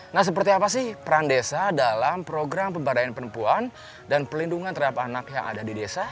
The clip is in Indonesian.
nah seperti apa sih peran desa dalam program pemberdayaan perempuan dan pelindungan terhadap anak yang ada di desa